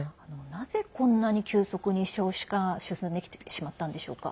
なぜこんなに急速に少子化が進んできてしまったのでしょうか。